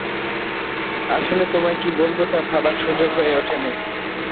আসলে, তোমায় কী বলবো তা ভাবার সুযোগ হয়ে ওঠেনি।